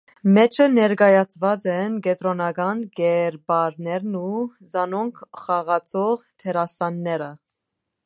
Մէջը ներկայացուած են կեդրոնական կերպարներն ու զանոնք խաղացող դերասանները։